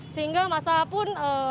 sehingga massa pun